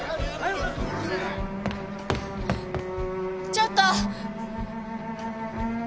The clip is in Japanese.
ちょっと！